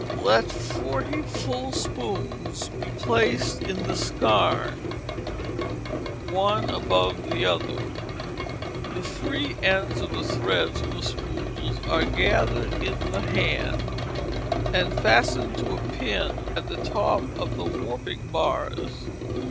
Let forty full spools be placed in the skarne, one above the other. The free ends of threads from the spools are gathered in the hand, and fastened to a pin at the top of the warping bars.